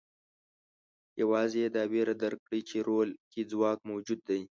یوازې یې دا وېره درک کړې چې رول کې ځواک موجود دی.